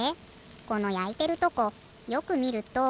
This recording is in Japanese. このやいてるとこよくみると。